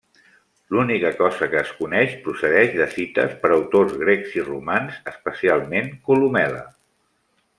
L'única cosa que es coneix procedeix de cites per autors grecs i romans, especialment Columel·la.